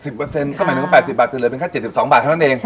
ก็หมายถึง๘๐บาทจะเหลือเป็นแค่๗๒บาทเท่านั้นเอง